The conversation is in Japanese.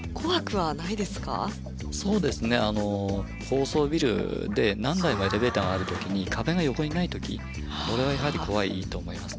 高層ビルで何台もエレベーターがある時に壁が横にない時これはやはり怖いと思いますね。